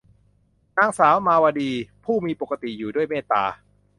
นางสามาวดี ผู้มีปกติอยู่ด้วยเมตตา